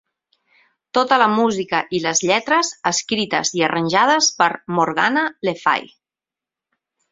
"Tota la música i les lletres escrites i arranjades per: Morgana Lefay"